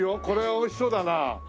これはおいしそうだな。